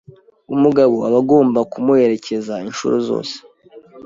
umugabo aba agomba kumuherekeza inshuro zose